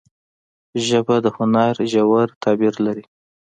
ژبه د هنر ژور تعبیر لري